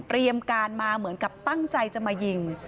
การมาเหมือนกับตั้งใจจะมายิง